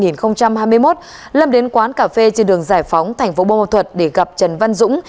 năm hai nghìn hai mươi một lâm đến quán cà phê trên đường giải phóng tp bô mò thuột để gặp trần văn dũng